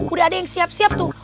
udah ada yang siap siap tuh